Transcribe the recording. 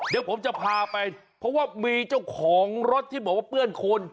เดี๋ยวผมจะพาไปเพราะว่ามีเจ้าของรถที่บอกว่าเปื้อนคน